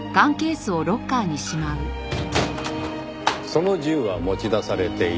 その銃は持ち出されていない。